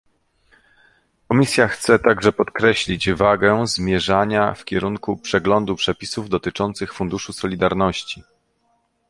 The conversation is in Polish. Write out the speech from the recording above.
Komisja chce także podkreślić wagę zmierzania w kierunku przeglądu przepisów dotyczących funduszu solidarności